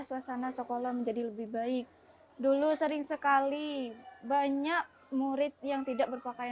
selamat pagi atta